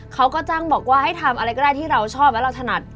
เขาก็จ้างบอกว่าให้ทำอะไรก็ได้ที่เราชอบแล้วเราถนัด